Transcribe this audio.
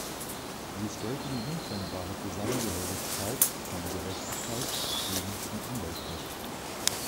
Sie stellte die untrennbare Zusammengehörigkeit von Gerechtigkeit, Frieden und Umwelt fest.